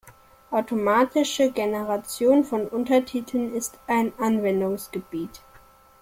Automatische Generation von Untertiteln ist ein Anwendungsgebiet.